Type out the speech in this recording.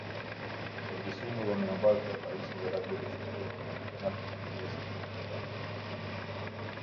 Servisimi dhe mirmbajtja e e pajisjeve radiologjikeRentgenat e prodhuesit Apelem